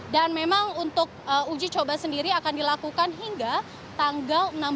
dan memang untuk uji coba sendiri akan dilakukan hingga tanggal enam belas